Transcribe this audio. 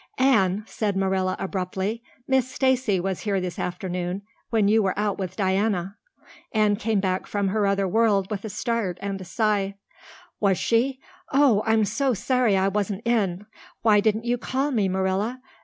"Anne," said Marilla abruptly, "Miss Stacy was here this afternoon when you were out with Diana." Anne came back from her other world with a start and a sigh. "Was she? Oh, I'm so sorry I wasn't in. Why didn't you call me, Marilla?